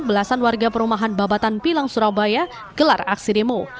belasan warga perumahan babatan pilang surabaya gelar aksi demo